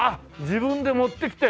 自分で持ってきて？